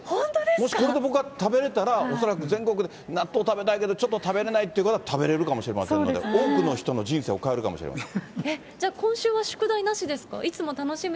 もしこれで僕が食べれたら、恐らく、全国の納豆食べたいけど、ちょっと食べれないっていう方、食べれるかもしれませんので、多くの人の人生を変えるかもしれません。